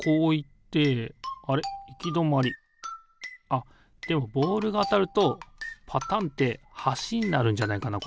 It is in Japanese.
あっでもボールがあたるとパタンってはしになるんじゃないかな？